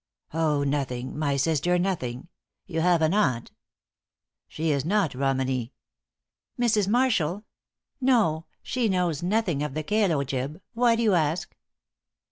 "Oh, nothing, my sister nothing. You have an aunt she is not Romany?" "Mrs. Marshall? No. She knows nothing of the calo jib. Why do you ask?"